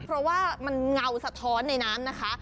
เพราะว่ามันเงาสะท้อนในน้ำนะคะ